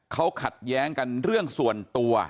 เขาขัดแย้งกันเรื่องส่วนตัว